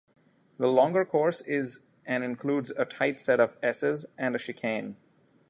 The longer course is and includes a tight set of esses and a chicane.